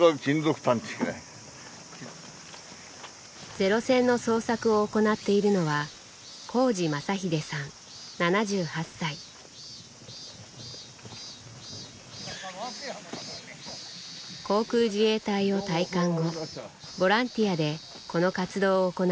ゼロ戦の捜索を行っているのは航空自衛隊を退官後ボランティアでこの活動を行っています。